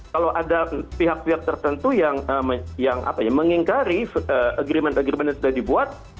kalau ada pihak pihak tertentu yang mengingkari agreement agreement yang sudah dibuat